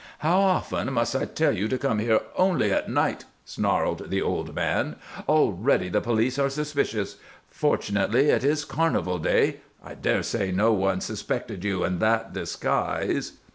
"How often must I tell you to come here only at night?" snarled the old man. "Already the police are suspicious. Fortunately, it is carnival day I dare say no one suspected you in that disguise."